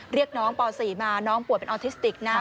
เรียกน้องป๔มาน้องป่วยเป็นออทิสติกนะครับ